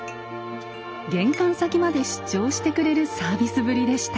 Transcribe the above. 玄関先まで出張してくれるサービスぶりでした。